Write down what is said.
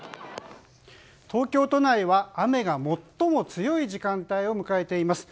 東京都内は雨が最も強い時間帯を迎えています。